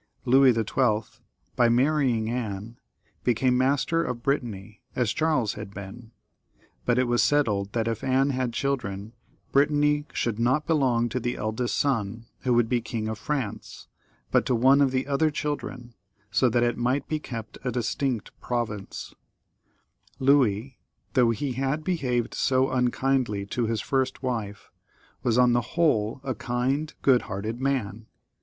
Louis XIL, by marrying Anne, became master of Brit tany, as Charles had been ; but it was settled that if Anne XXXIII.] LOUIS XII. 281 had children Brittany would not belong to the eldest son, who would be King of France, but to one of the other children, so that it might be kept a distinct province by itself. Louis, though he had behaved so unkindly to his first wife, was on the whole a kind, good hearted man.